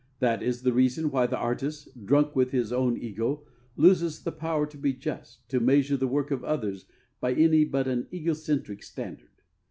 That is the reason why the artist, drunk with his own ego, loses the power to be just, to measure the work of others by any but an egocentric standard.